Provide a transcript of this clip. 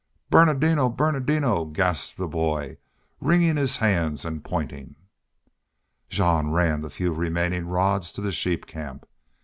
"Ber nardino! Ber nardino!" gasped the boy, wringing his hands and pointing. Jean ran the few remaining rods to the sheep camp.